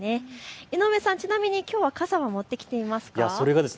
井上さん、ちなみにきょうは傘は持ってきていますか。